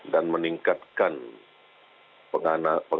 dan meningkatkan pengamanan